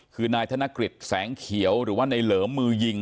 คือนายธนกฤษแสงเขียวหรือว่าในเหลิมมือยิง